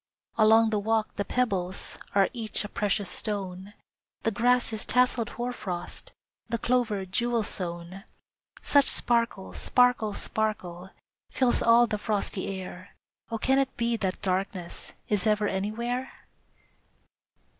Along the walk, the pebbles Are each a precious stone; The grass is tasseled hoarfrost, The clover jewel sown. Such sparkle, sparkle, sparkle Fills all the frosty air, Oh, can it be that darkness Is ever anywhere!